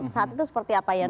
saat itu seperti apa ya